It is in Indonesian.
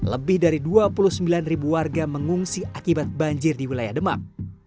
lebih dari dua puluh sembilan ribu warga mengungsi akibat banjir di wilayah demak